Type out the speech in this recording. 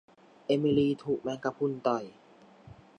เอมิลีถูกแมงกะพรุนต่อย